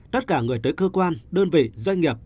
tất cả người tới cơ quan đơn vị doanh nghiệp